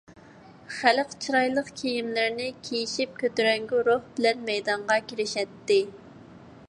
خەلق چىرايلىق كىيىملىرىنى كىيىشىپ كۆتۈرەڭگۈ روھ بىلەن مەيدانغا كىرىشەتتى.